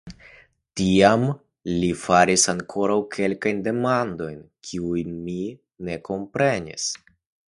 Tiam li faris ankoraŭ kelkajn demandojn, kiujn mi ne komprenis.